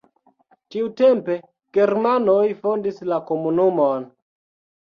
Tiutempe germanoj fondis la komunumon.